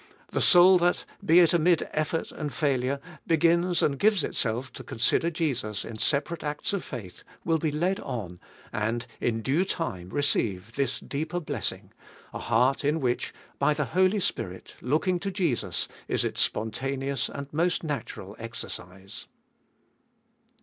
The sou! that, te it amid effort and failure, begins and gives itself to consider Jesus in separate acts of faith will be led on, and in due time receive this deeper blessing— a heart in which, by the Holy Spirit, looking to Jesus is its spontaneous and most natural exercise.